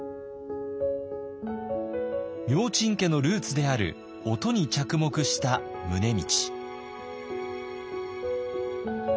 明珍家のルーツである音に着目した宗理。